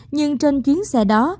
nhưng trên chuyến xe đó